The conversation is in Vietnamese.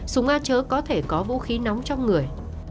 súng á chở có thể có vũ khí nóng trong người